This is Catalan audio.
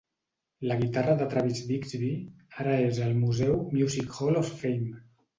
La guitarra de Travis-Bigsby ara és al museu Music Hall of Fame.